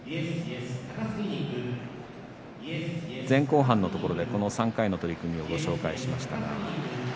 前後半のところでこの３回の取組をご紹介しました。